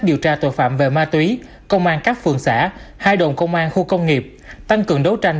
điều tra tội phạm về ma túy công an các phường xã hai đồn công an khu công nghiệp tăng cường đấu tranh